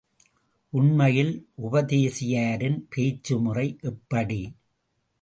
உண்மையில் உபதேசியாரின் பேச்சுமுறை எப்படி?